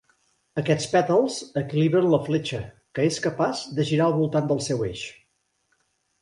Aquests pètals equilibren la fletxa, que és capaç de girar al voltant del seu eix.